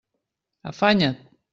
Afanya't!